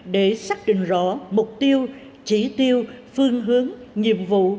để xác định rõ mục tiêu chỉ tiêu phương hướng nhiệm vụ